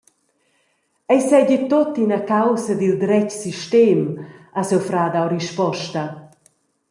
Ei seigi tut ina caussa dil dretg sistem, ha siu frar dau risposta.